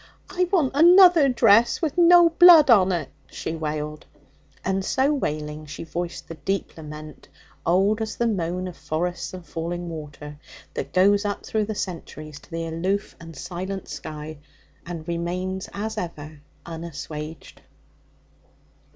'I want another dress with no blood on it!' she wailed. And so wailing she voiced the deep lament, old as the moan of forests and falling water, that goes up through the centuries to the aloof and silent sky, and remains, as ever, unassuaged.